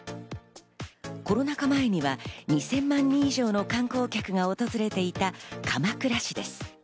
コロナ禍前には２０００万人以上の観光客が訪れていた鎌倉市です。